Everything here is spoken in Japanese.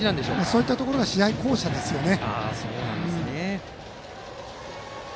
そういったところが試合巧者ですよね。